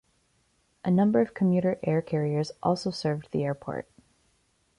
A number of commuter air carriers also served the airport.